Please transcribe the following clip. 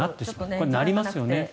これはなりますよね。